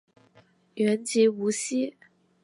原籍无锡。